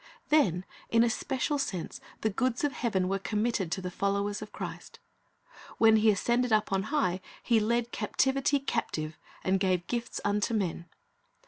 Then in a special sense the goods of heaven were committed to the followers of Christ. "When He ascended up on high, He led captivity captive, and gave gifts unto men."